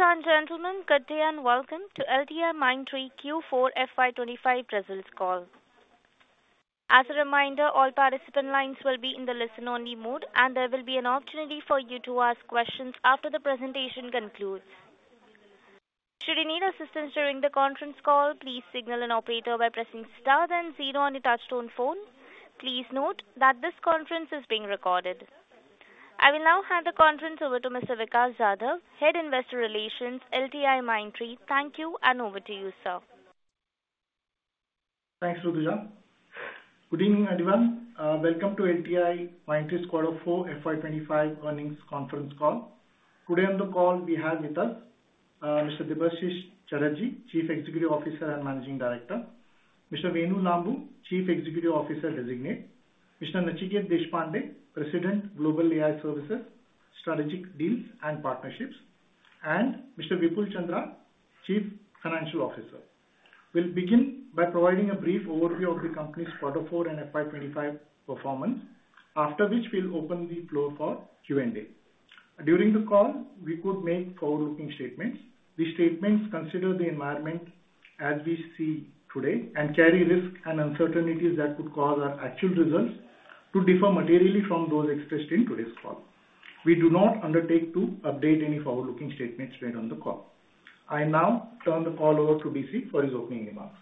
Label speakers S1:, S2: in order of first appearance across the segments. S1: Ladies and gentlemen, good day and welcome to LTIMindtree Q4 FY 2025 results call. As a reminder, all participant lines will be in the listen-only mode and there will be an opportunity for you to ask questions after the presentation concludes. Should you need assistance during the conference call, please signal an operator by pressing star then zero on your touch-tone phone. Please note that this conference is being recorded. I will now hand the conference over to Mr. Vikas Jadhav, Head of Investor Relations, LTIMindtree. Thank you. Over to you, sir.
S2: Thanks, Rutuja. Good evening, everyone. Welcome to LTIMindtree Quarter 4 FY 2025 Earnings Conference Call today. On the call we have with us Mr. Debashis Chatterjee, Chief Executive Officer and Managing Director, Mr. Venu Lambu, Chief Executive Officer Designate, Mr. Nachiket Deshpande, President, Global AI Services, Strategic Deals and Partnerships, and Mr. Vipul Chandra, Chief Financial Officer. We'll begin by providing a brief overview of the company's quarter four and FY 2025 performance, after which we'll open the floor for Q&A. During the call, we could make forward looking statements. These statements consider the environment as we see today and carry risks and uncertainties that could cause our actual results to differ materially from those expressed in today's call. We do not undertake to update any forward looking statements made on the call. I now turn the call over to DC for his opening remarks.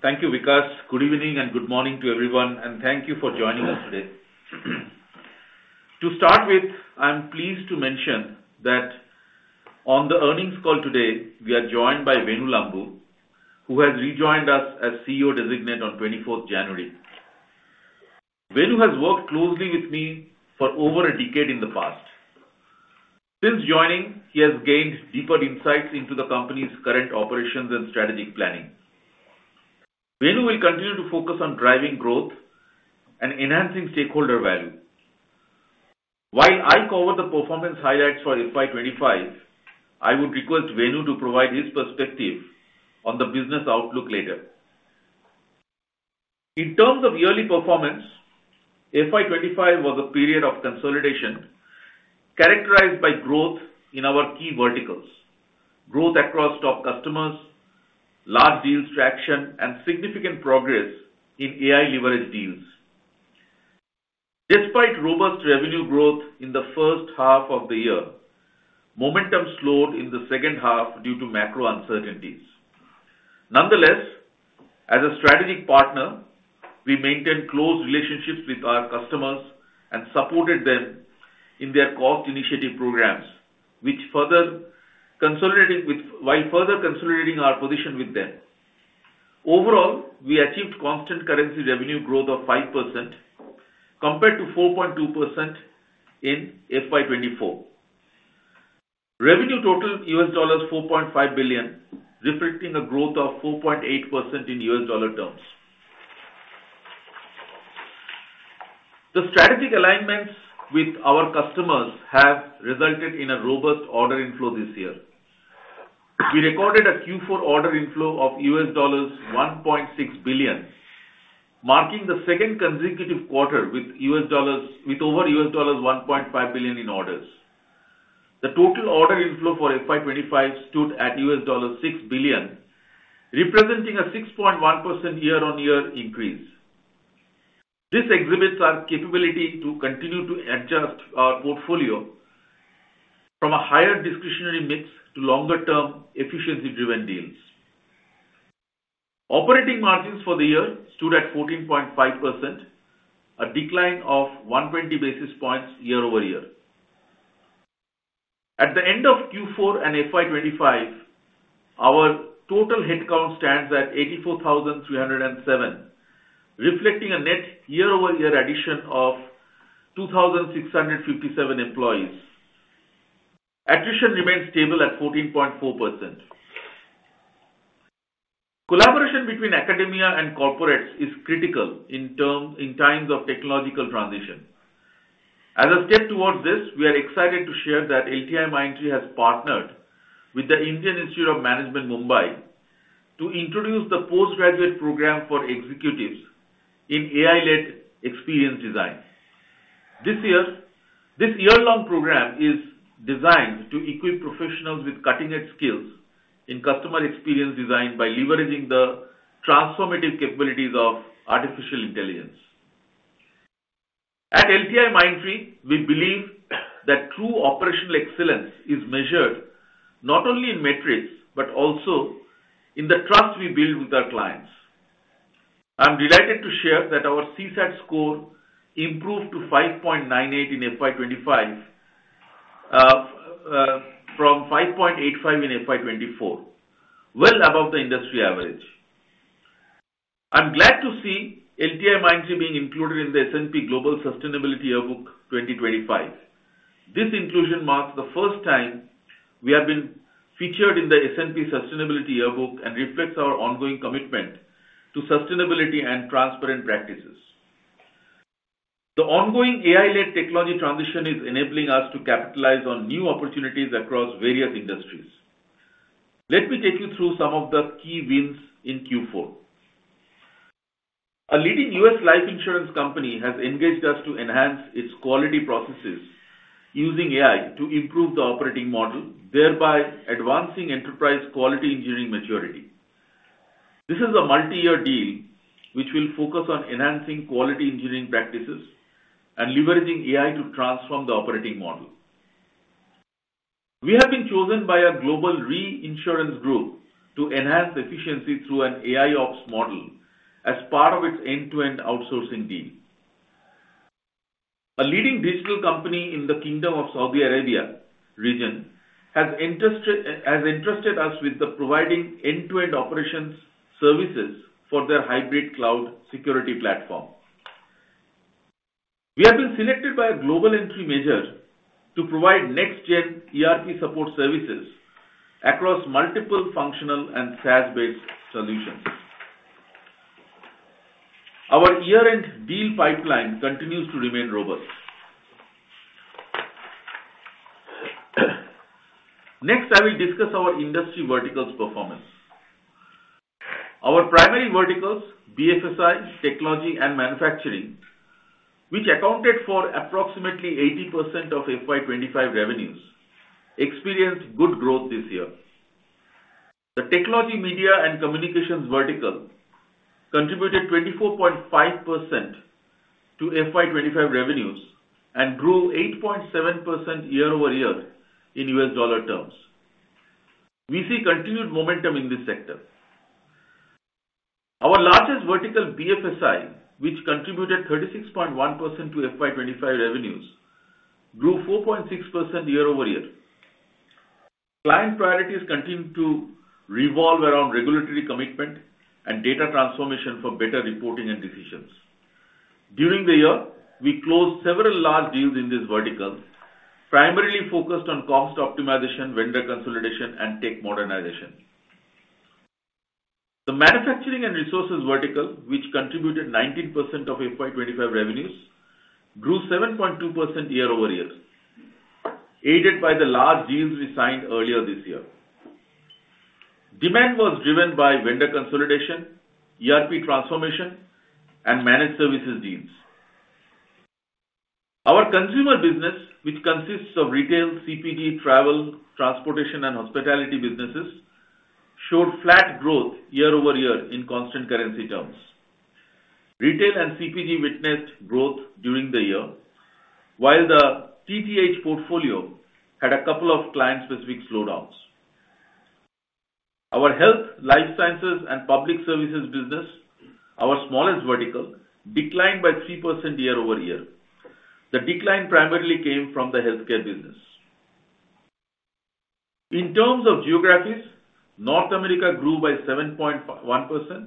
S3: Thank you, Vikas. Good evening and good morning to everyone and thank you for joining us today. To start with, I am pleased to mention that on the earnings call today we are joined by Venu Lambu who has rejoined us as CEO Designate on the 24th of January. Venu has worked closely with me for over a decade. In the past, since joining, he has gained deeper insights into the company's current operations and strategic planning. Venu will continue to focus on driving growth and enhancing stakeholder value while I cover the performance highlights for FY 2025. I would request Venu to provide his perspective on the business outlook later. In terms of yearly performance, FY 2025 was a period of consolidation characterized by growth in our key verticals, growth across top customers, large deals, traction and significant progress in AI-leveraged deals. Despite robust revenue growth in the first half of the year, momentum slowed in the second half due to macro uncertainties. Nonetheless, as a strategic partner, we maintained close relationships with our customers and supported them in their cost initiative programs while further consolidating our position with them. Overall, we achieved constant currency revenue growth of 5% compared to 4.2% in FY 2024. Revenue totaled $4.5 billion, reflecting a growth of 4.8% in U.S. dollar terms. The strategic alignments with our customers have resulted in a robust order inflow this year. We recorded a Q4 order inflow of $1.6 billion, marking the second consecutive quarter with over $1.5 billion in orders. The total order inflow for FY 2025 stood at $6 billion, representing a 6.1% year-on-year increase. This exhibits our capability to continue to adjust our portfolio from a higher discretionary mix to longer term efficiency driven deals. Operating margins for the year stood at 14.5%, a decline of 120 basis points year-over-year. At the end of Q4 and FY 2025 our total headcount stands at 84,307 reflecting a net year-over-year addition of 2,657 employees. Attrition remains stable at 14.4%. Collaboration between academia and corporates is critical in times of technological transition. As a step towards this, we are excited to share that LTIMindtree has partnered with the Indian Institute of Management, Mumbai to introduce the postgraduate program for Executives in AI-led Experience Design this year. This year long program is designed to equip professionals with cutting edge skills in customer experience design by leveraging the transformative capabilities of artificial intelligence. At LTIMindtree, we believe that true operational excellence is measured not only in metrics but also in the trust we build with our clients. I'm delighted to share that our CSAT score improved to 5.98 in FY 2025 from 5.85 in FY 2024, well above the industry average. I am glad to see LTIMindtree being included in the S&P Global Sustainability Yearbook 2025. This inclusion marks the first time we have been featured in the S&P Sustainability Yearbook and reflects our ongoing commitment to sustainability and transparent practices. The ongoing AI-led technology transition is enabling us to capitalize on new opportunities across various industries. Let me take you through some of the key wins in Q4. A leading U.S. life insurance company has engaged us to enhance its quality processes using AI to improve the operating model, thereby advancing enterprise quality engineering maturity. This is a multi-year deal which will focus on enhancing quality engineering practices and leveraging AI to transform the operating model. We have been chosen by a global reinsurance group to enhance efficiency through an AIOps model as part of its end-to-end outsourcing deal. A leading digital company in the Kingdom of Saudi Arabia region has entrusted us with providing end-to-end operations services for their hybrid cloud security platform. We have been selected by a global energy major to provide next-gen ERP support services across multiple functional and SaaS-based solutions. Our year-end deal pipeline continues to remain robust. Next, I will discuss our industry verticals performance. Our primary verticals, BFSI, Technology, and Manufacturing, which accounted for approximately 80% of FY 2025 revenues, experienced good growth this year. The Technology, Media, and Communications vertical contributed 24.5% to FY 2025 revenues and grew 8.7% year-over-year. In U.S. dollar terms, we see continued momentum in this sector. Our largest vertical, BFSI, which contributed 36.1% to FY 2025 revenues, grew 4.6% year-over-year. Client priorities continue to revolve around regulatory commitment and data transformation for better reporting and decisions. During the year we closed several large deals in this vertical primarily focused on cost optimization, vendor consolidation, and technology modernization. The Manufacturing and Resources vertical, which contributed 19% of FY 2025 revenues, grew 7.2% year-over-year, aided by the large deals we signed earlier this year. Demand was driven by vendor consolidation, ERP transformation, and managed services deals. Our Consumer Business, which consists of Retail, CPG, Travel, Transportation, and Hospitality businesses, showed flat growth year-over-year in constant currency terms. Retail and CPG witnessed growth during the year while the TTH portfolio had a couple of client-specific slowdowns. Our Health, Life Sciences, and Public Services business, our smallest vertical, declined by 3% year-over-year. The decline primarily came from the healthcare business. In terms of geographies, North America grew by 7.1%,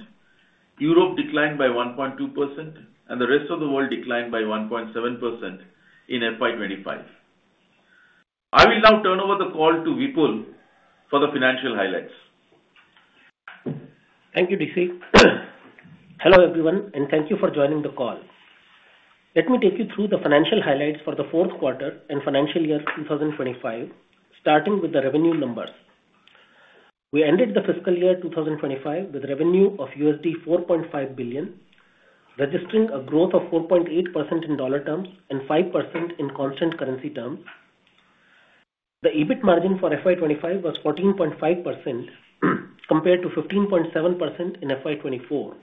S3: Europe declined by 1.2%, and the rest of the world declined by 1.7% in FY 2025. I will now turn over the call to Vipul for the financial highlights.
S4: Thank you, DC Hello everyone and thank you for joining the call. Let me take you through the financial highlights for the fourth quarter and financial year 2025. Starting with the revenue numbers, we ended the fiscal year 2025 with revenue of $4.5 billion, registering a growth of 4.8% in dollar terms and 5% in constant currency terms. The EBIT margin for FY 2025 was 14.5% compared to 15.7% in FY 2024.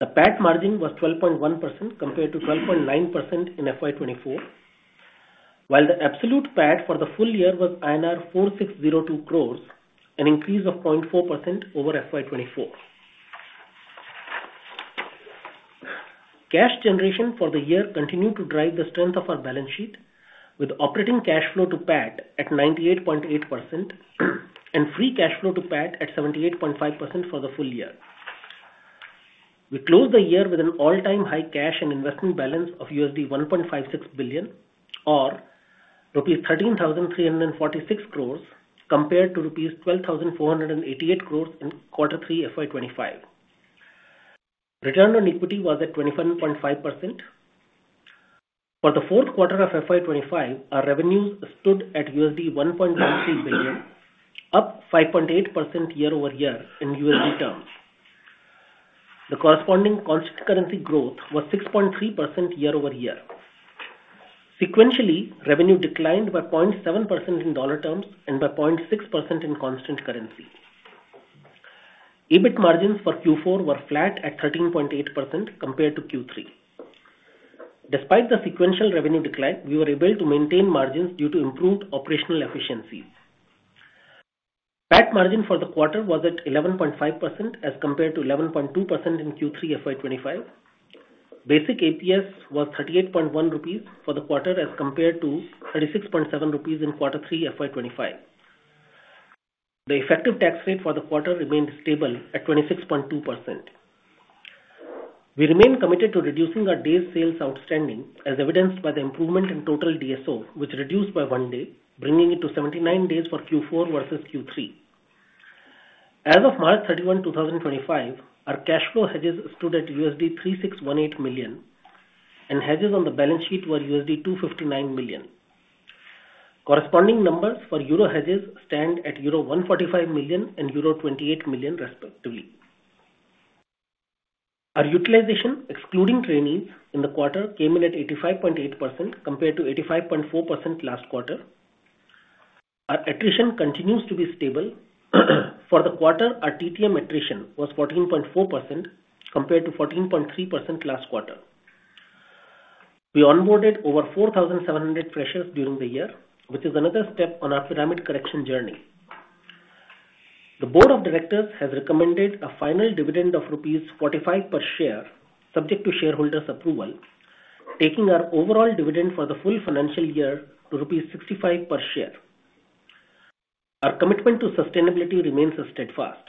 S4: The PAT margin was 12.1% compared to 12.9% in FY 2024, while the absolute PAT for the full year was INR 4,602 crores, an increase of 0.4% over FY 2024. Cash generation for the year continued to drive the strength of our balance sheet with operating cash flow to PAT at 98.8% and free cash flow to PAT at 78.5% for the full year. We closed the year with an all-time high cash and investment balance of $1.56 billion or rupees 13,346 crores compared to rupees 12,488 crores in quarter three. FY 2025 return on equity was at 21.5%. For the fourth quarter of FY 2025, our revenues stood at $1.13 billion, up 5.8% year-over-year in USD terms. The corresponding constant currency growth was 6.3% year-over-year. Sequentially, revenue declined by 0.7% in dollar terms and by 0.6% in constant currency. EBIT margins for Q4 were flat at 13.8% compared to Q3. Despite the sequential revenue decline, we were able to maintain margins due to improved operational efficiencies. PAT margin for the quarter was at 11.5% as compared to 11.2% in Q3 FY 2025. Basic EPS was 38.1 for the quarter as compared to 36.7 rupees in quarter three FY 2025. The effective tax rate for the quarter remained stable at 26.2%. We remain committed to reducing our days sales outstanding as evidenced by the improvement in total DSO which reduced by one day bringing it to 79 days for Q4 versus Q3. As of March 31, 2025, our cash flow hedges stood at $3,618 million and hedges on the balance sheet were $259 million. Corresponding numbers for euro hedges stand at euro 145 million and euro 28 million respectively. Our utilization excluding trainees in the quarter came in at 85.8% compared to 85.4% last quarter. Our attrition continues to be stable. For the quarter our TTM attrition was 14.4% compared to 14.3% last quarter. We onboarded over 4,700 freshers during the year which is another step on our pyramid correction journey. The Board of Directors has recommended a final dividend of 45 rupees per share subject to shareholders approval, taking our overall dividend for the full financial year to rupees 65 per share. Our commitment to sustainability remains steadfast.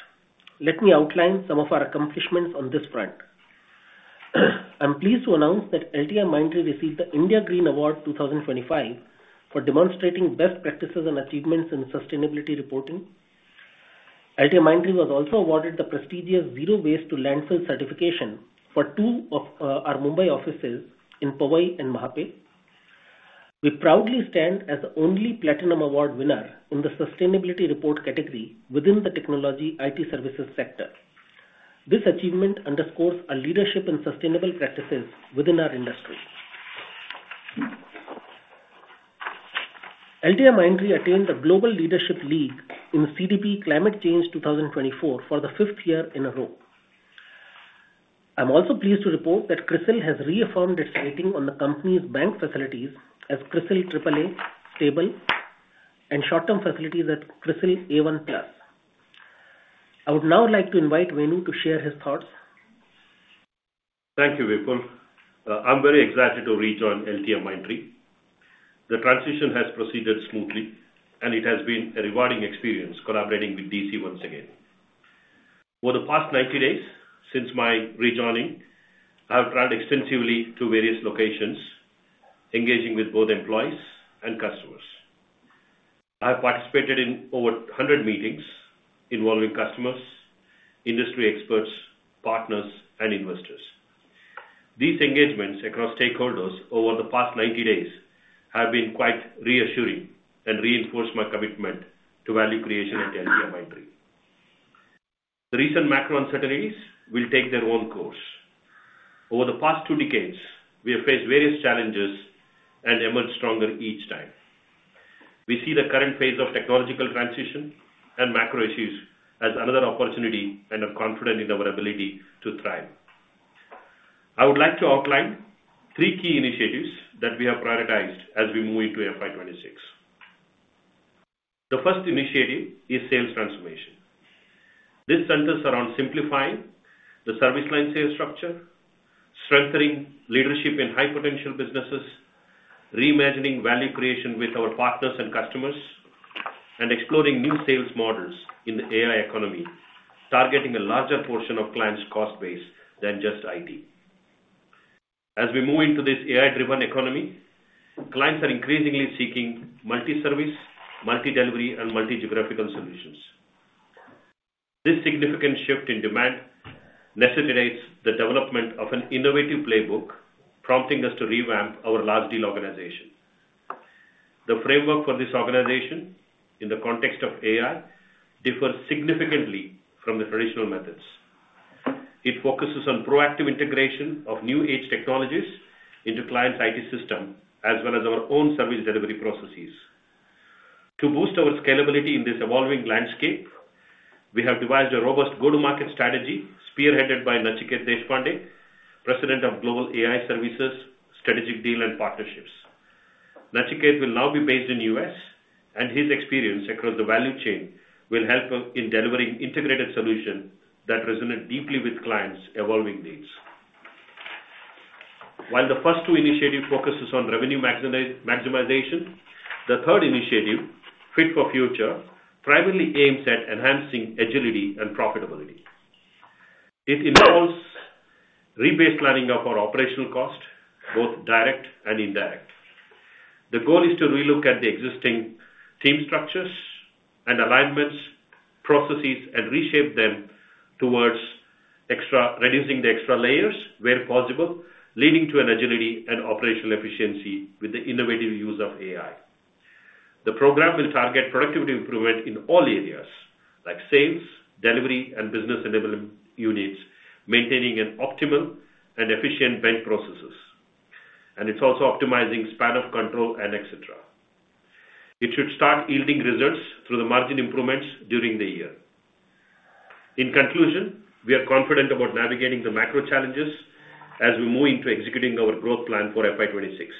S4: Let me outline some of our accomplishments on this front. I'm pleased to announce that LTIMindtree received the India Green Award 2025 for demonstrating best practices and achievements in sustainability reporting. LTIMindtree was also awarded the prestigious Zero Waste to Landfill certification for two of our Mumbai offices in Powai and Mahape. We proudly stand as the only Platinum Award winner in the Sustainability Report category within the Technology IT Services sector. This achievement underscores our leadership and sustainable practices within our industry. LTIMindtree attained the Global Leadership League in CDP Climate Change 2024 for the fifth year in a row. I'm also pleased to report that CRISIL has reaffirmed its rating on the company's bank facilities as CRISIL AAA/Stable and short term facilities at CRISIL A1+. I would now like to invite Venu to share his thoughts.
S5: Thank you, Vipul. I'm very excited to rejoin LTIMindtree. The transition has proceeded smoothly and it has been a rewarding experience collaborating with DC once again. Over the past 90 days, since my rejoining, I have traveled extensively to various locations engaging with both employees and customers. I have participated in over 100 meetings involving customers, industry experts, partners, and investors. These engagements across stakeholders over the past 90 days have been quite reassuring and reinforce my commitment to value creation at LTIMindtree. The recent macro uncertainties will take their own course. Over the past two decades, we have faced various challenges and emerged stronger each time. We see the current phase of technological transition and macro issues as another opportunity and are confident in our ability to thrive. I would like to outline three key initiatives that we have prioritized as we move into FY 2026. The first initiative is Sales Transformation. This centers around simplifying the service line sales structure, strengthening leadership in high potential businesses, reimagining value creation with our partners and customers, and exploring new sales models in the AI economy targeting a larger portion of clients' cost base than just IT. As we move into this AI-driven economy, clients are increasingly seeking multi-service, multi-delivery and multi-geographical solutions. This significant shift in demand necessitates the development of an innovative playbook, prompting us to revamp our large deal organization. The framework for this organization in the context of AI differs significantly from the traditional methods. It focuses on proactive integration of new age technologies into clients' IT systems as well as our own service delivery processes. To boost our scalability in this evolving landscape, we have devised a robust go-to-market strategy spearheaded by Nachiket Deshpande, President of Global AI Services, Strategic Deals, and Partnerships. Nachiket will now be based in the U.S. and his experience across the value chain will help in delivering integrated solutions that resonate deeply with clients. While the first two initiatives focus on revenue maximization, the third initiative, Fit for Future, primarily aims at enhancing agility and profitability. It involves re-baselining of our operational cost, both direct and indirect. The goal is to relook at the existing team structures and alignment processes and reshape them towards reducing the extra layers where possible, leading to agility and operational efficiency. With the innovative use of AI, the program will target productivity improvement in all areas like sales, delivery, and business enablement units, maintaining an optimal and efficient blend processes, and it's also optimizing span of control and et cetera. It should start yielding results through the margin improvements during the year. In conclusion, we are confident about navigating the macro challenges as we move into executing our growth plan for FY 2026,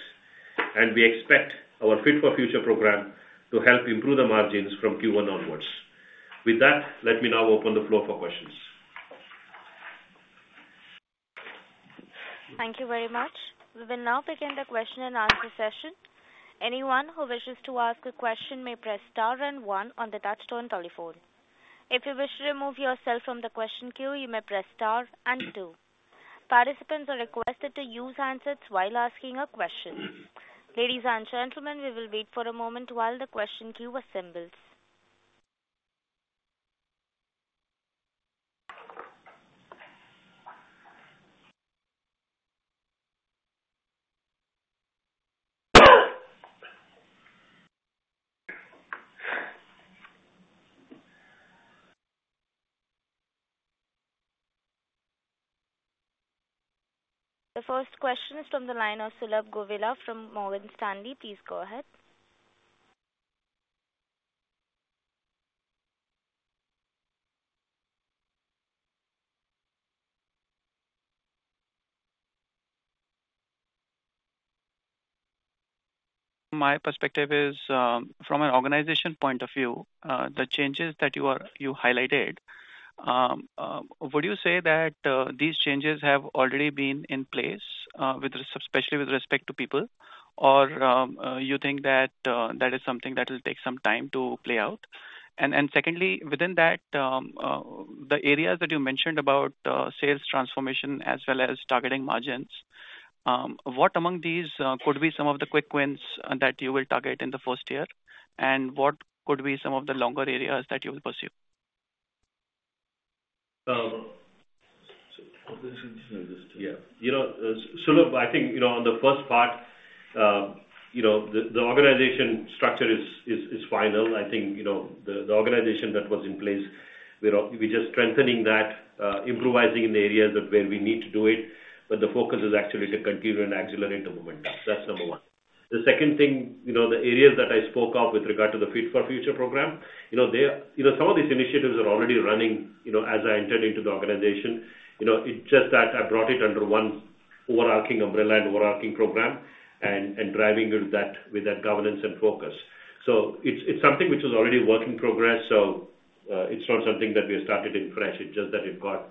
S5: and we expect our Fit for Future program to help improve the margins from Q1 onwards. With that, let me now open the floor for questions.
S1: Thank you very much. We will now begin the question and answer session. Anyone who wishes to ask a question may press star and one on the touch-tone telephone. If you wish to remove yourself from the question queue, you may press star and two. Participants are requested to use handsets while asking a question. Ladies and gentlemen, we will wait for a moment while the question queue assembles. The first question is from the line of Sulabh Govila from Morgan Stanley. Please go ahead.
S6: My perspective is from an organization point of view, the changes that you highlighted. Would you say that these changes have already been in place, especially with respect to people, or you think that that is something that will take some time to play out? Secondly, within that, the areas that you mentioned about Sales Transformation as well as targeting margins, what among these could be some of the quick wins that you will target in the first year and what could be some of the longer areas that you will pursue?
S5: You know, Sulabh, I think on the first part, the organization structure is final. I think the organization that was in place, we're just strengthening that, improvising in the areas where we need to do it. The focus is actually to continue and accelerate the momentum. That's number one. The second thing, the areas that I spoke of with regard to the Fit for Future program, some of these initiatives are already running as I entered into the organization. It's just that I brought it under one overarching umbrella and overarching program and driving with that governance and focus. It's something which is already work in progress. It's not something that we started in fresh, it's just that it got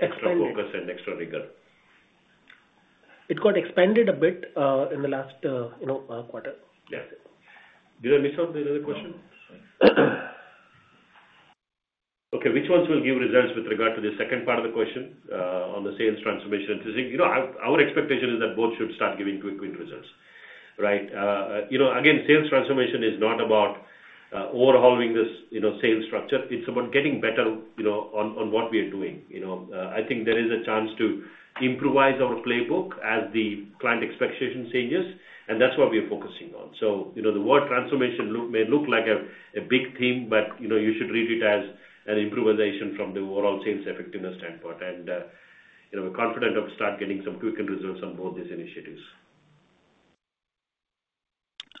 S5: extra focus and extra rigor.
S6: It got expanded a bit in the last quarter.
S5: Yes. Did I miss out another question? Okay, which ones will give results? With regard to the second part of the question on the Sales Transformation, our expectation is that both should start giving quick win results. Right. You know, again, Sales Transformation is not about overhauling this sales structure. It's about getting better on what we are doing. I think there is a chance to improvise our playbook as the client expectation changes and that's what we are focusing on. The word transformation may look like a big theme, but you should read it as an improvisation from the overall sales effectiveness standpoint and we're confident to start getting some quickened results on both these initiatives.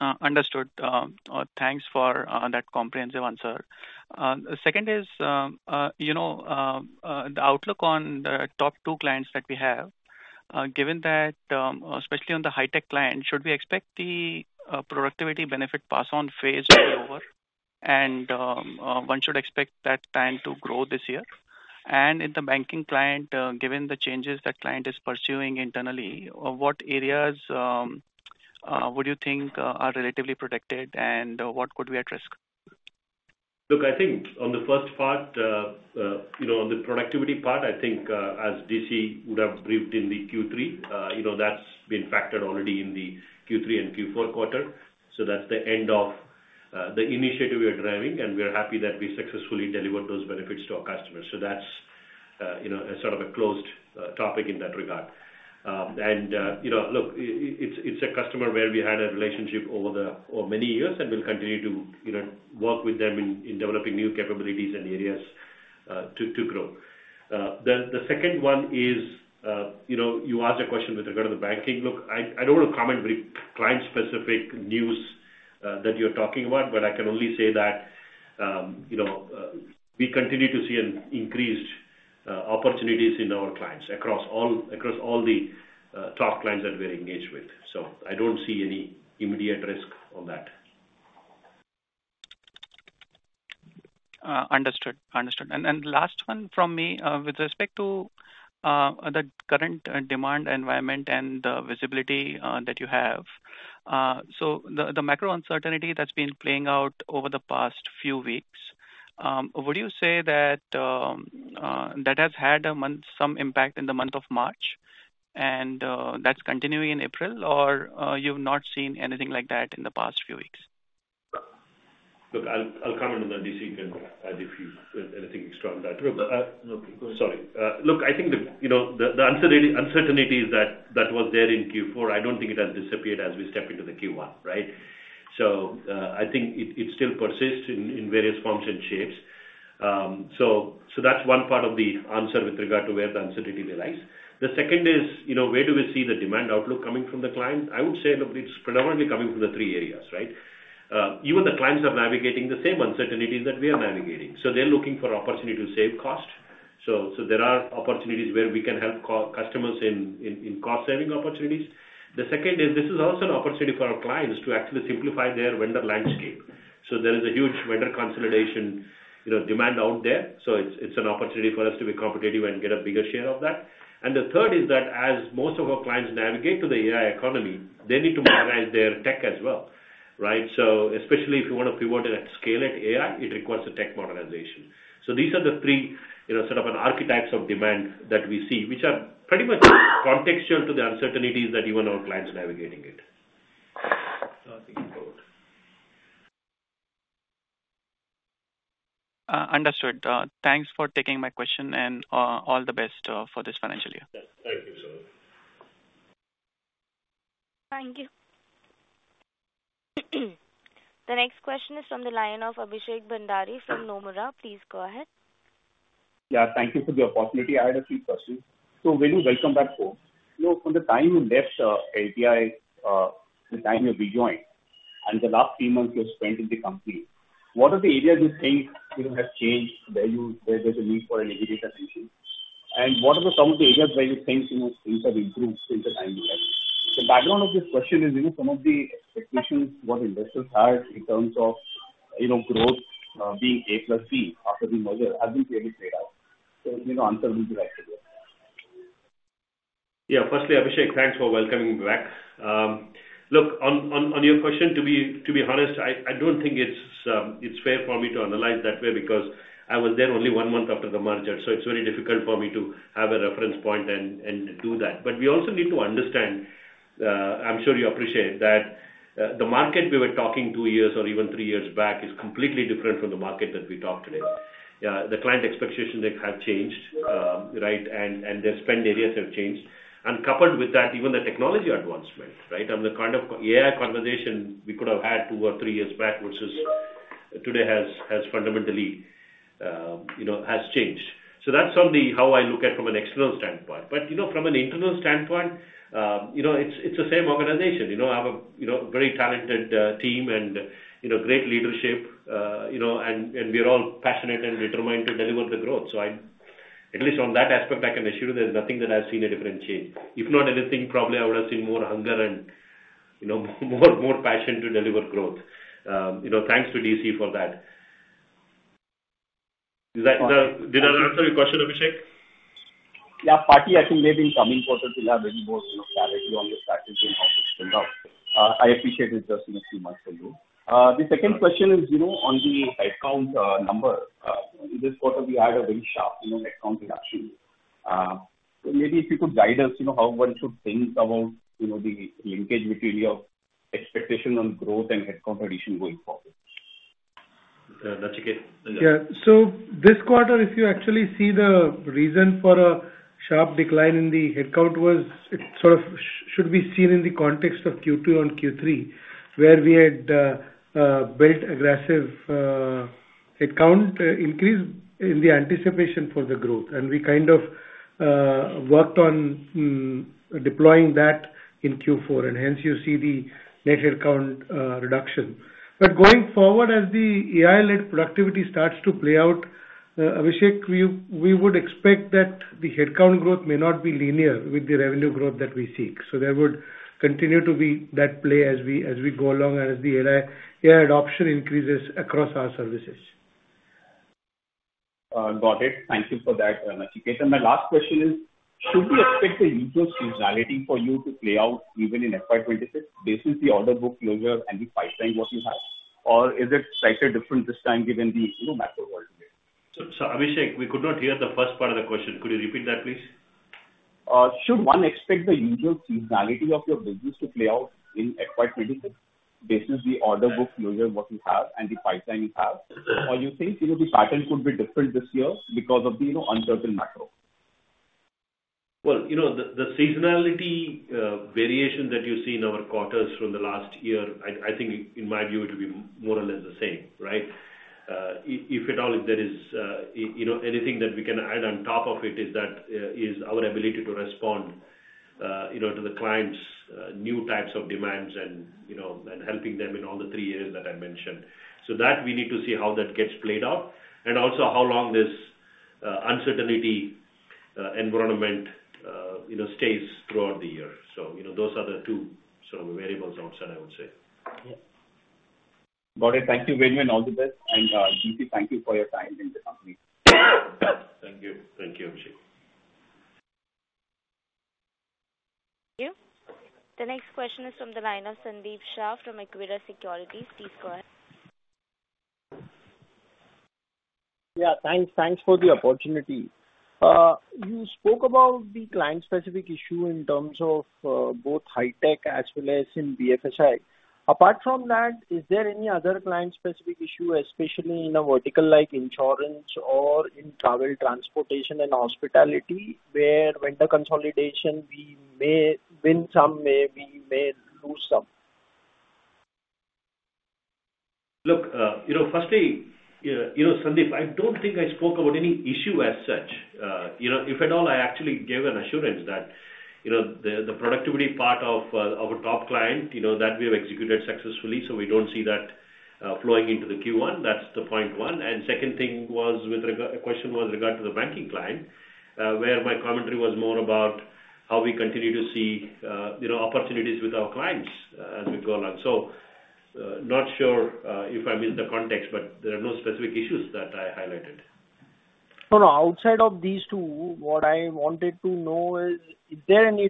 S6: Understood. Thanks for that comprehensive answer. The second is the outlook on the top two clients that we have. Given that especially on the Hi-Tech client, should we expect the productivity benefit pass on phase over and one should expect that client to grow this year and in the banking client, given the changes that client is pursuing internally, what areas would you think are relatively protected and what could be at risk?
S5: Look, I think on the first part, you know, on the productivity part, I think as DC would have briefed in the Q3, you know, that's been factored already in the Q3 and Q4 quarter. That's the end of the initiative we are driving and we are happy that we successfully delivered those benefits to our customers. That's, you know, sort of a closed topic in that regard. You know, look, it's a customer where we had a relationship over the many years and we'll continue to, you know, work with them in developing new capabilities and areas to grow. The second one is you asked a question with regard to the banking. Look, I don't want to comment with client specific news that you're talking about, but I can only say that we continue to see increased opportunities in our clients across all the top clients that we're engaged with. I don't see any immediate risk on that.
S6: Understood, understood. Last one from me with respect to the current demand environment and visibility that you have. The macro uncertainty that's been playing out over the past few weeks, would you say that that has had some impact in the month of March and that's continuing in April or you've not seen anything like that in the past few weeks? Look, I'll comment on that. Anything extra on that? Sorry. Look, I think the uncertainty is that was there in Q4. I don't think it has disappeared as we step into the Q1. Right. I think it still persists in various forms and shapes. That's one part of the answer with regard to where the uncertainty lies. The second is where do we see the demand outlook coming from the client? I would say it's predominantly coming from the three areas, right? Even the clients are navigating the same uncertainty that we are navigating. They are looking for opportunity to save cost. There are opportunities where we can help customers in cost saving opportunities. The second is this is also an opportunity for our clients to actually simplify their vendor landscape. There is a huge vendor consolidation demand out there. It is an opportunity for us to be competitive and get a bigger share of that. The third is that as most of our clients navigate to the AI economy, they need to modernize their tech as well. Right. Especially if you want to pivot it at scale at AI, it requires a tech modernization. These are the three sort of archetypes of demand that we see, which are pretty much contextual to the uncertainties that even our clients are navigating. Understood. Thanks for taking my question and all the best for this financial year.
S5: Thank you, sir.
S1: Thank you. The next question is from the line of Abhishek Bhandari from Nomura. Please go ahead.
S7: Yeah, thank you for the opportunity. I had a few questions. Venu, welcome back home. From the time you left LTI, the time you rejoined and the last three months you spent in the company, what are the areas you think has changed where there's a need for an aggregator? What are some of the areas where you think things have improved since the time you left? The background of this question is some of the expectations, what investors had in terms of growth being A+C after the merger has been clearly paid out.
S5: Yeah. Firstly, Abhishek, thanks for welcoming me back. Look, on your question, to be honest, I do not think it is fair for me to analyze that way because I was there only one month after the merger. It is very difficult for me to have a reference point and do that. We also need to understand, I am sure you appreciate that the market we were talking two years or even three years back is completely different from the market that we talk today. The client expectations have changed and their spend areas have changed. Coupled with that, even the technology advancement, the kind of AI conversation we could have had two or three years back, which is today, has fundamentally changed. That is only how I look at it from an external standpoint. You know, from an internal standpoint, you know, it is the same organization. You know, I have a very talented team and, you know, great leadership, you know, and we are all passionate and determined to deliver the growth. I, at least on that aspect, I can assure you there's nothing that I've seen a different change. If not anything, probably I would have seen more hunger and, you know, more passion to deliver growth. Thanks to DC for that. Did I answer your question, Abhishek?
S7: Yeah, partly. I think maybe in coming quarters we'll have a little more clarity on the strategy and how it's turned out. I appreciate it just in a few months from you. The second question is on the headcount number. This quarter we had a very sharp headcount reduction. Maybe if you could guide us how one should think about the linkage between your expectation on growth and headcount addition going forward.
S8: Yeah. This quarter, if you actually see the reason for a sharp decline in the headcount was it sort of should be seen in the context of Q2 and Q3, where we had built aggressive headcount increase in the anticipation for the growth and we kind of worked on deploying that in Q4 and hence you see the net headcount reduction. Going forward, as the AI-led productivity starts to play out, Abhishek, we would expect that the headcount growth may not be linear with the revenue growth that we seek. There would continue to be that play as we go along the AI adoption increases across our services.
S7: Got it, thank you for that. My last question is, should we expect the usual seasonality for you to play out even in FY 2026? This is the order book closure and the pipeline what you have or is it slightly different this time given the macro world?
S5: Abhishek, we could not hear the first part of the question. Could you repeat that please?
S7: Should one expect the usual seasonality of your business to play out in basis the order book closure, what you have and the pipeline you have, or you think the pattern could be different this year because of the uncertain macro?
S5: The seasonality variation that you see in our quarters from the last year, I think in my view it will be more or less the same. Right. If at all, if there is anything that we can add on top of it is our ability to respond to the clients' new types of demands and helping them in all the three areas that I mentioned so that we need to see how that gets played out and also how long this uncertainty environment stays throughout the year. Those are the two sort of variables outside, I would say.
S7: Got it. Thank you, Venu, and all the best. Thank you for your time in the company.
S5: Thank you. Thank you, Abhishek.
S1: The next question is from the line of Sandeep Shah from Equirus Securities. Please go ahead.
S9: Yeah, thanks. Thanks for the opportunity. You spoke about the client specific issue in terms of both Hi-Tech as well as in BFSI. Apart from that, is there any other client specific issue especially in a vertical like Insurance or in Travel, Transportation and Hospitality where vendor consolidation we may win some, maybe may lose some?
S5: Look, firstly Sandeep, I do not think I spoke about any issue as such, if at all. I actually gave an assurance that the productivity part of a top client that we have executed successfully. We do not see that flowing into the Q1. That is the point one and second thing, the question was regarding the banking client where my commentary was more about how we continue to see opportunities with our clients as we go along. Not sure if I missed the context, but there are no specific issues that I highlighted.
S9: Outside of these two. What I wanted to know is there any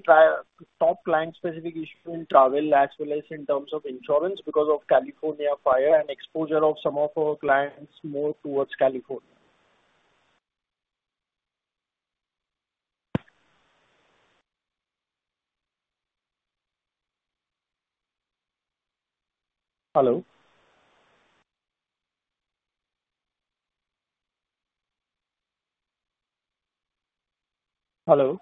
S9: top client specific issue in travel as well as in terms of insurance because of California fire and exposure of some of our clients more towards California.
S5: Hello? Hello?
S1: Ladies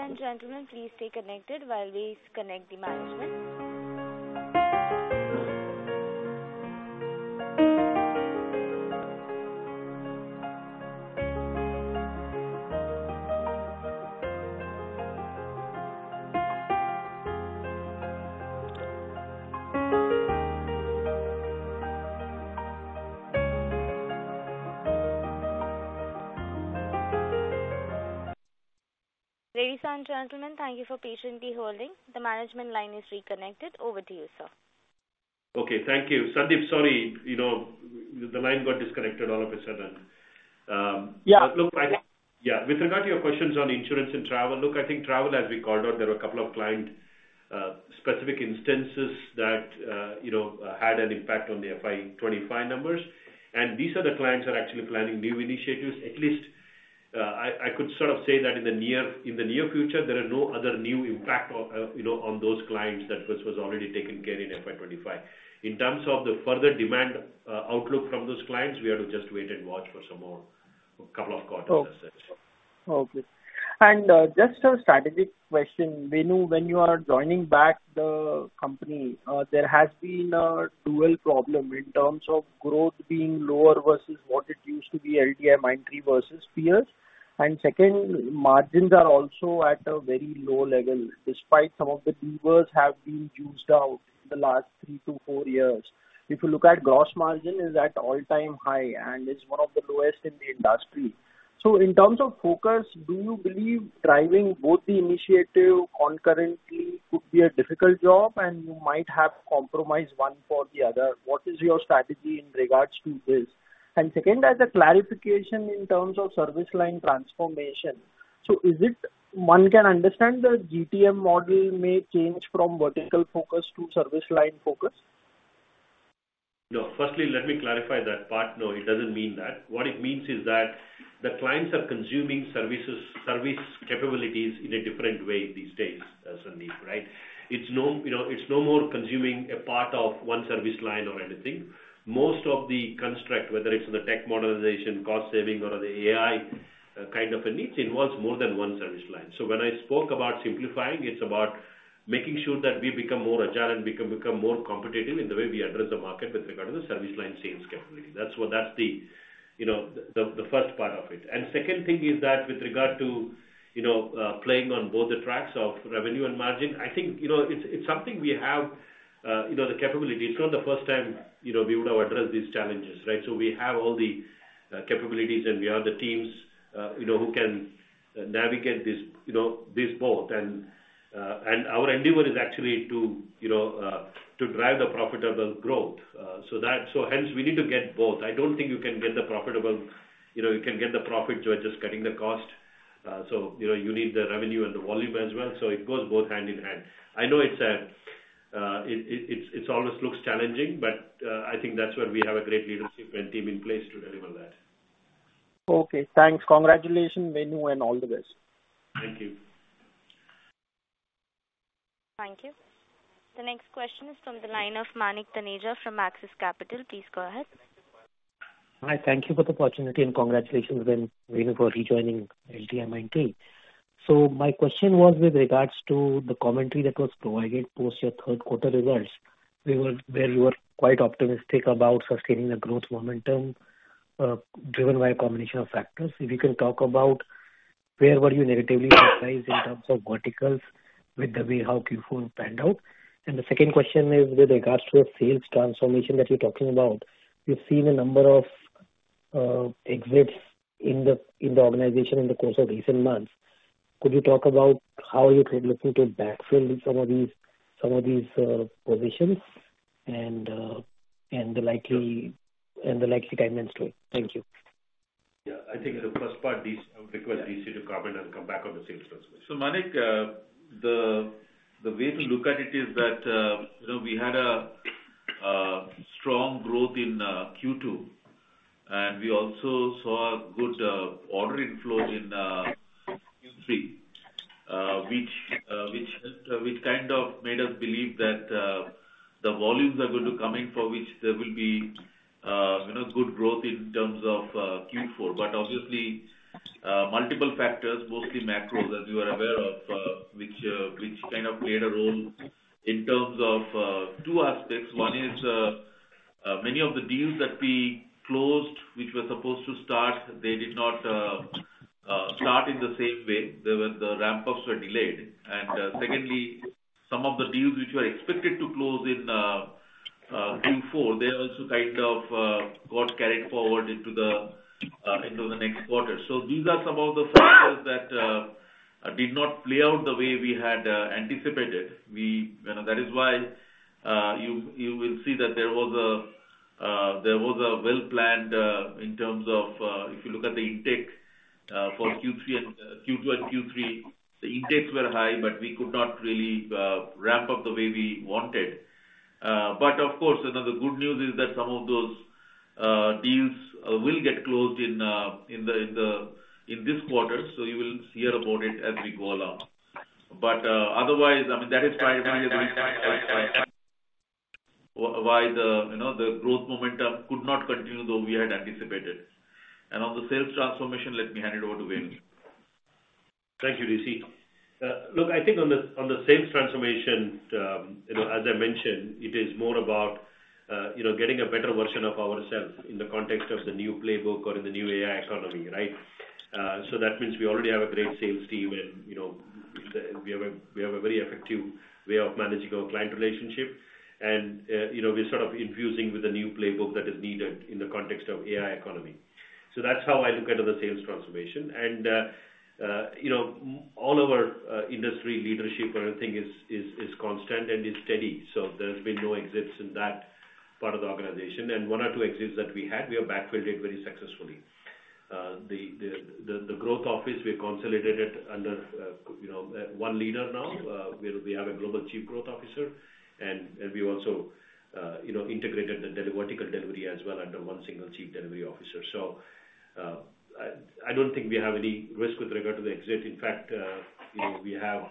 S1: and gentlemen, please stay connected while we connect the management. Ladies and gentlemen, thank you for patiently holding. The management line is reconnected. Over to you, sir.
S5: Okay, thank you. Sandeep. Sorry, you know, the line got disconnected all of a sudden.
S9: Yeah, look.
S5: Yeah. With regard to your questions on insurance and travel. Look, I think travel as we called out, there were a couple of client specific instances that, you know, had an impact on the FY 2025 numbers. And these clients are actually planning new initiatives. At least I could sort of say that in the near, in the near future, there are no other new impact, you know, on those clients. That was already taken care of in FY 2025 in terms of the further demand outlook from those clients. We have to just wait and watch for some more, a couple of quarters.
S9: Okay. Just a strategic question, Venu, when you are joining back the company. There has been a dual problem in terms of growth being lower versus what it used to be, LTIMindtree versus peers. Second, margins are also at a very low level despite some of the levers have been used out in the last three to four years. If you look at gross margin, it is at all-time high and is one of the lowest in the industry. In terms of focus, do you believe driving both the initiative concurrently could be a difficult job and you might have compromised one for the other. What is your strategy in regards to this? Second, as a clarification in terms of service line transformation, so is it one can understand the GTM model may change from vertical focus to service line focus.
S5: No, firstly let me clarify that part. No, it doesn't mean that. What it means is that the clients are consuming services, service capabilities in a different way. These stays as a need, right.? It's no more consuming a part of one service line or anything. Most of the construct, whether it's in the technology modernization, cost saving or the AI kind of a needs, involves more than one service line. When I spoke about simplifying, it's about making sure that we become more agile and become more competitive in the way we address the market. With regard to the service line sales capability, that's the, you know, the first part of it. The second thing is that with regard to playing on both the tracks of revenue and margin, I think it's something we have the capability. It's not the first time we would have addressed these challenges. We have all the capabilities and we have the teams who can navigate these both. Our endeavor is actually to drive the profitable growth. We need to get both. I do not think you can get the profitable growth. You know, you can get the profit. You are just cutting the cost. You know, you need the revenue and the volume as well. It goes both hand in hand. I know it always looks challenging, but I think that is where we have a great leadership and team in place to deliver that.
S9: Okay, thanks. Congratulations, Venu. All the best.
S5: Thank you.
S1: Thank you. The next question is from the line of Manik Taneja from Axis Capital. Please go ahead.
S10: Hi. Thank you for the opportunity and congratulations for rejoining LTIMindtree. My question was with regards to the commentary that was provided post your third quarter results where you were quite optimistic about sustaining the growth momentum driven by a combination of factors. If you can talk about where were you negatively in terms of verticals with the way how Q4 panned out. The second question is with regards to a Sales Transformation that you're talking about, you've seen a number of exits in the organization in the course of recent months. Could you talk about how you are looking to backfill some of these positions, and the likely guidance to it? Thank you.
S5: Yeah, I think the first part I would request DC to comment and come back on the Sales Transformation.
S3: Manik, the way to look at it is that we had a strong growth in Q2 and we also saw good order inflow in Q3, which kind of made us believe that the volumes are going to come in for which there will be good growth in terms of Q4. Obviously, multiple factors, mostly macros, as you are aware of, which kind of played a role in terms of two aspects. One is many of the deals that we closed which were supposed to start, they did not start in the same way. The ramp ups were delayed. Secondly, some of the deals which were expected to close in Q4, they also kind of got carried forward into the next quarter. These are some of the factors that did not play out the way we had anticipated. That is why you will see that there was a well planned in terms of. If you look at the intake for Q3 and Q2 and Q3, the intakes were high, but we could not really ramp up the way we wanted. Of course, another good news is that some of those deals will get closed in this quarter. You will hear about it as we go along. Otherwise, I mean, that is why the growth momentum could not continue, though we had anticipated. On the Sales Transformation, let me hand it over to Venu.
S5: Thank you, DC. Look, I think on the Sales Transformation, as I mentioned, it is more about, you know, getting a better version of ourselves in the context of the new playbook or in the new AI economy. Right. That means we already have a great sales team and, you know, we have a very effective way of managing our client relationship. You know, we're sort of infusing with a new playbook that is needed in the context of AI economy. That is how I look at the Sales Transformation. You know, all of our industry leadership or anything is constant and is steady. There have been no exits in that part of the organization. One or two exits that we had, we have backfilled it very successfully. The growth office, we consolidated under one leader. Now we have a global Chief Growth Officer and we also integrated the vertical delivery as well under one single Chief Delivery Officer. I do not think we have any risk with regard to the exit. In fact, we have,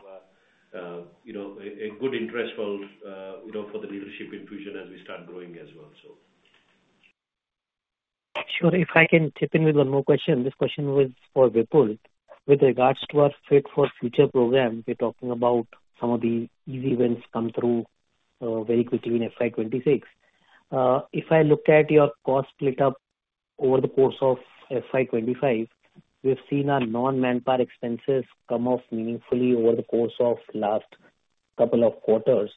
S5: you know, a good interest for, you know, for the leadership infusion as we start growing as well.
S10: Sure. If I can chip in with one more question. This question was for Vipul with regards to our Fit for Future program. We're talking about some of the easy wins come through very quickly in FY 2026. If I look at your cost split up over the course of FY 2025, we've seen our non manpower expenses come off meaningfully over the course of last couple of quarters.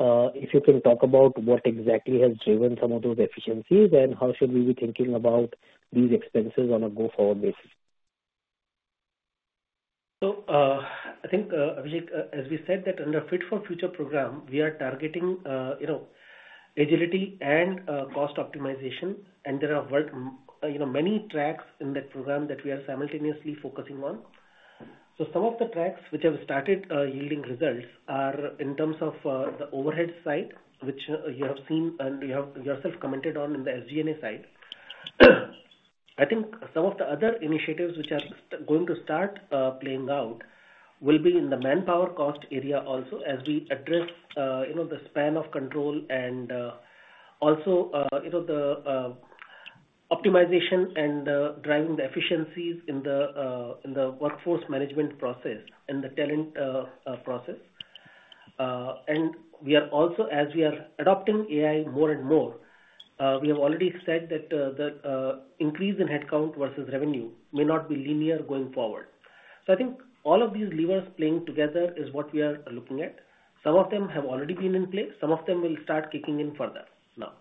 S10: If you can talk about what exactly has driven some of those efficiencies and how should we be thinking about these expenses on a go forward basis.
S4: I think Abhishek, as we said that under Fit for Future program we are targeting agility and cost optimization and there are many tracks in that program that we are simultaneously focusing on. Some of the tracks which have started yielding results are in terms of the overhead side which you have seen and you have yourself commented on in the SG&A side. I think some of the other initiatives which are going to start playing out will be in the manpower cost area also as we address the spread span of control and also the optimization and driving the efficiencies in the workforce management process and the talent process. We are also as we are adopting AI more and more. We have already said that the increase in headcount versus revenue may not be linear going forward. I think all of these levers playing together is what we are looking at. Some of them have already been in place, some of them will start kicking in further now.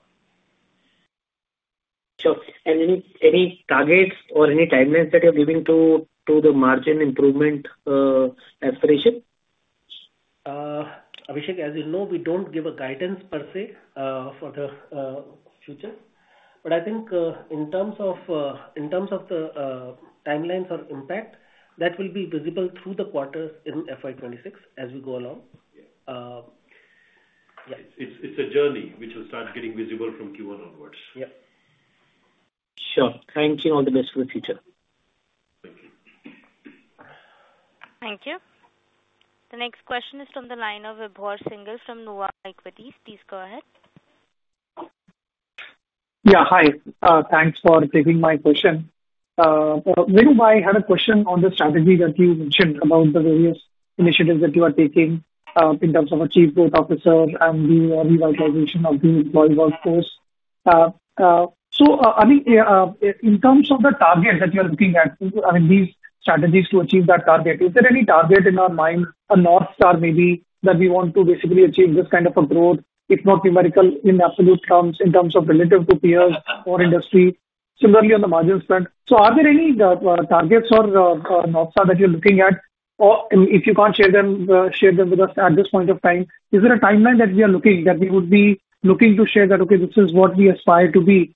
S10: Sure. Any targets or any timelines that you're giving to the margin improvement aspiration?
S4: Manik, as you know we don't give a guidance per se for the future, but I think in terms of the timelines or impact that will be visible through the quarters in FY 2026 as we go along.
S5: It's a journey which will start getting visible from Q1 onwards.
S10: Yeah, sure. Thank you. All the best for the future. Thank you.
S1: Thank you. The next question is from the line of Vibhor Singhal from Nuvama Equities. Please go ahead.
S11: Yeah. Hi. Thanks for taking my question. Venu, I had a question on the strategy that you mentioned about the various initiatives that you are taking in terms of a chief growth officer and the revitalization of the employee workforce. I think in terms of the target that you're looking at, I mean these strategies to achieve that target, is there any target in our mind, a North Star maybe that we want to basically achieve this kind of a growth if not numerical in absolute terms in terms of relative to peers or industry, similarly on the margins front. Are there any targets or that you're looking at or if you can't share them with us at this point of time, is there a timeline that we are looking that we would be looking to share that, okay, this is what we aspire to be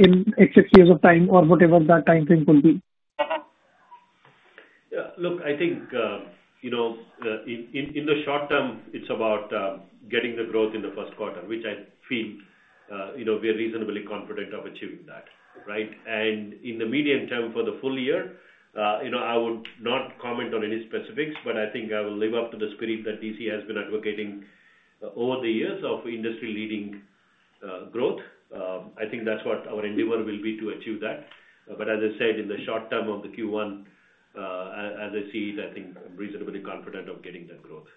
S11: in six years of time or whatever that time frame could be?
S4: Look, I think, you know, in the short term it's about getting the growth in the first quarter, which I feel, you know, we are reasonably confident of achieving that, right? In the medium term for the full year, you know, I would not comment on any specifics, but I think I will live up to the spirit that DC has been advocating over the years of industry leading growth. I think that's what our endeavor will be to achieve that. As I said, in the short term of the Q1, as I see it, I think I'm reasonably confident of getting the growth.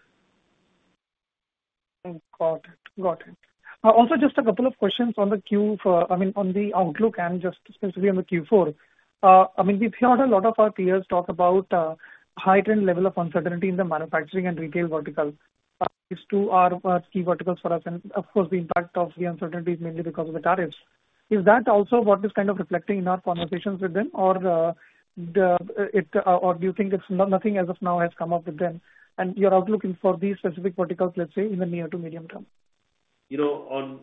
S11: Got it, got it. Also, just a couple of questions on the Q4, I mean, on the outlook and just specifically on the Q4. I mean, we've heard a lot of our peers talk about heightened level of uncertainty in the Manufacturing and Retail vertical. These two are key verticals for us. Of course, the impact of the uncertainty is mainly because of the tariffs. Is that also what is kind of reflecting in our conversations with them, or do you think that nothing as of now has come up with them and your outlook for these specific verticals, let's say in the near to medium term?
S5: You know,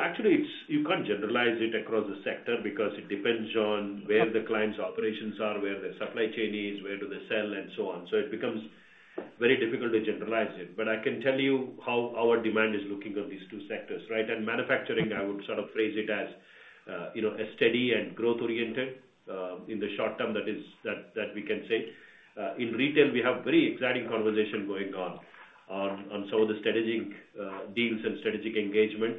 S5: actually it's, you can't generalize it across the sector because it depends on where the client's operations are, where the supply chain is, where do they sell and so on. It becomes very difficult to generalize it. I can tell you how our demand is looking on these two sectors. right? In Manufacturing, I would say sort of phrase it as, you know, steady and growth oriented in the short term, that is that we can say. In Retail, we have very exciting conversation going on on some of the strategic deals and strategic engagement.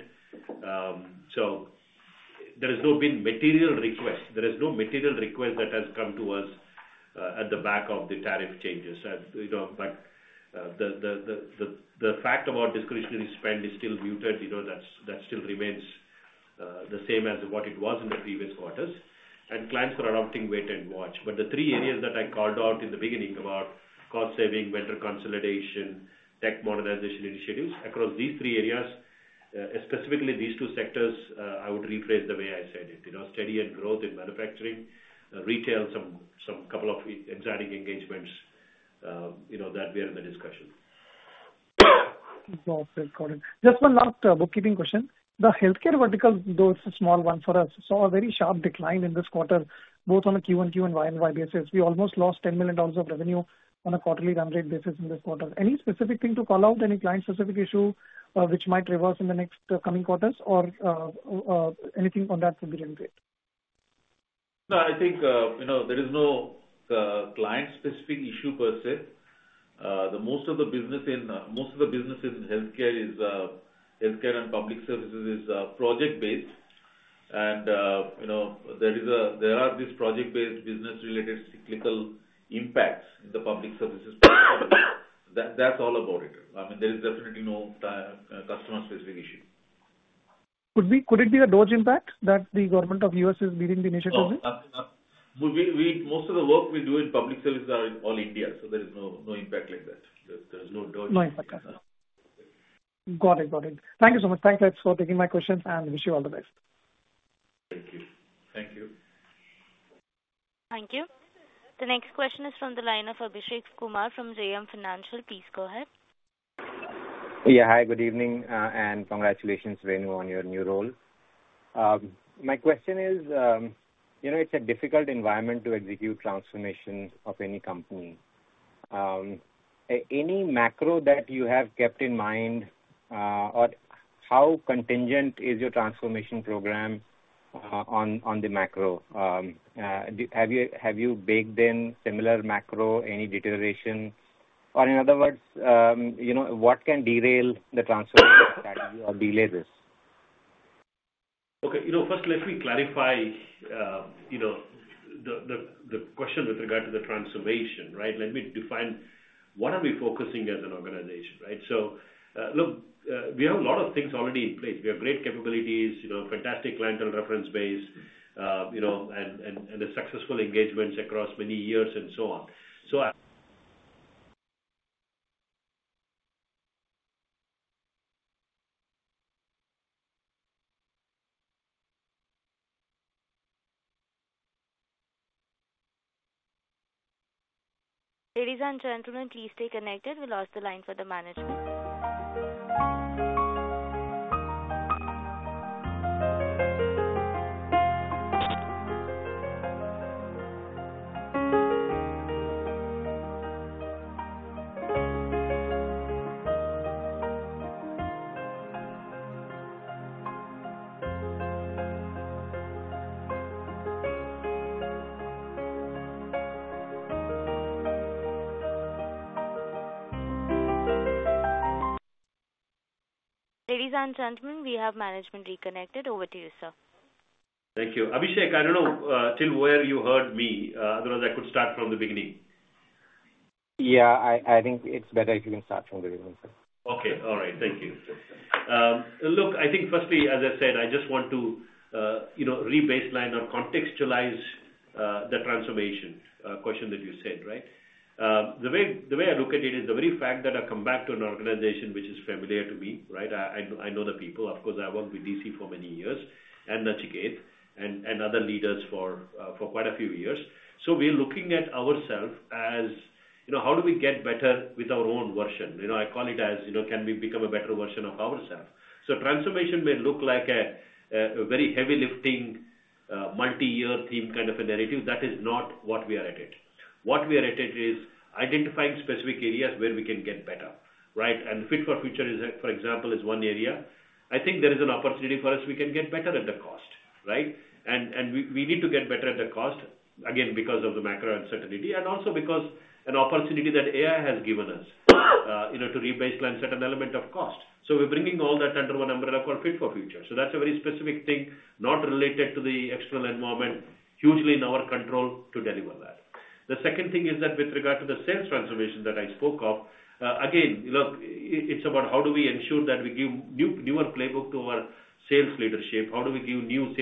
S5: There has not been material requests. There is no material request that has come to us at the back of the tariff changes. The fact about discretionary spend is still muted, that still remains the same as what it was in the previous quarters and clients are adopting wait and watch. The three areas that I called out in the beginning about cost saving, vendor consolidation, tech modernization initiatives across these three areas, specifically these two sectors, I would rephrase the way I said it. Steady and growth in Manufacturing, Retail, some couple of exotic engagements that we are in the discussion.
S11: Just one last bookkeeping question. The healthcare vertical, though it's a small one for us, saw a very sharp decline in this quarter, both on a QoQ and YoY basis. We almost lost $10 million of revenue on a quarterly run rate basis in this quarter. Any specific thing to call out, any client specific issue which might reverse in the next coming quarters or anything on that forum rate?
S3: No, I think you know there is no client specific issue per se. Most of the business in healthcare and public services is project based. You know there are these project based business related cyclical impacts in the public services. That's all about it. I mean there is definitely no customer specific issue.
S11: Could it be a DOGE impact that the government of U.S. is leading the initiatives?
S3: Most of the work we do in public services are all India. There is no, no impact like that. There is no DOGE impact.
S11: Got it, got it. Thank you so much. Thanks for taking my questions and wish you all the best.
S3: Thank you.
S5: Thank you.
S1: Thank you. The next question is from the line of Abhishek Kumar from JM Financial. Please go ahead.
S12: Yeah, hi, good evening and congratulations Venu on your new role. My question is, you know, it's difficult environment to execute transformations of any company. Any macro that you have kept in mind or how contingent is your transformation program on the macro? Have you baked in similar macro? Any deterioration or in other words what can derail the transformation or delay this?
S5: Okay, first let me clarify the question with regard to the transformation. Let me define what are we focusing as an organization? Look, we have a lot of things already in place. We have great capabilities, fantastic clientele, reference base and the successful engagements across many years and so on.
S1: Ladies and gentlemen, please stay connected. We lost the line for the management. Ladies and gentlemen, we have management reconnected. Over to you, sir.
S5: Thank you. Abhishek. I don't know till where you heard me. Otherwise I could start from the beginning.
S12: Yeah, I think it's better if you can start from the beginning.
S5: Okay. All right, thank you. Look, I think firstly as I said, I just want to re-baseline or contextualize the transformation question that you said. Right. The way I look at it is the very fact that I come back to an organization which is familiar to me, right? I know the people. Of course, I worked with DC for many years and Nachiket and other leaders for quite a few years. We are looking at ourselves as, you know, how do we get better with our own version? You know, I call it as, you know, can we become a better version of ourselves? Transformation may look like a very heavy lifting multi-year theme kind of a narrative. That is not what we are at it. What we are at it is identifying specific areas where we can get better, right? Fit for Future, for example, is one area. I think there is an opportunity for us. We can get better at the cost, right? We need to get better at the cost, again, because of the macro uncertainty and also because an opportunity that AI has given us to re-baseline certain element of cost. We are bringing all that under one umbrella called Fit for Future. That is a very specific thing, not related to the external environment. It is hugely in our control to deliver that. The second thing is that with regard to the Sales Transformation that I spoke of, again, look, it is about how do we ensure that we give newer playbook to our sales leadership? How do we give new sales.